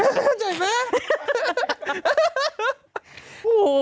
เข้าใจไหม